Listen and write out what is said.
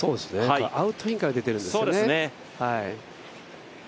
アウトインから出てるんですね。